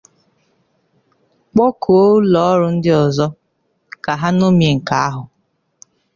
kpọkuo ụlọọrụ ndị ọzọ ka ha ñòmie nke ahụ